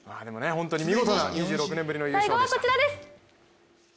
本当に見事な２６年ぶりの優勝でした。